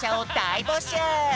いぼしゅう！